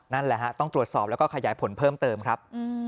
นั่นแหละฮะต้องตรวจสอบแล้วก็ขยายผลเพิ่มเติมครับ